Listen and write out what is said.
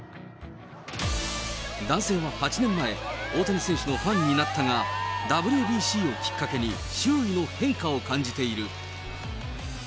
男性は８年前、大谷選手のファンになったが、ＷＢＣをきっかけに周囲の変化を感じている。